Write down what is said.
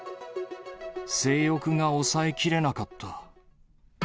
性欲が抑えきれなかった。